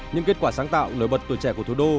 những kết quả sáng tạo nổi bật tuổi trẻ của thủ đô